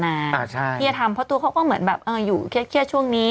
ว่าไม่เค้าเครียดแครกเมื่อเทียดทำเพราะตัวเขาก็เหมือนแบบอยู่แค่ช่วงนี้